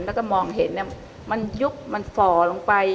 แล้วก็มองเห็นมันยุบมันฝ่อลงไป